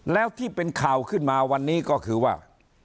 แล้วที่เป็นข่าวขึ้นมาวันนี้ก็คือว่า